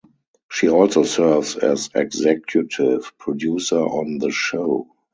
She also serves as executive producer on the show.